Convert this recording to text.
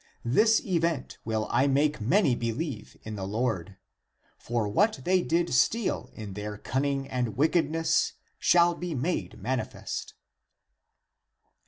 This event will make many believe in the Lord. For what they did steal in their cunning and wick edness shall be made manifest.